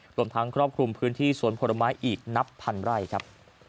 รวมทั้งครอบคลุมพื้นที่สวนผลไม้อีกนับพันไร่ครับ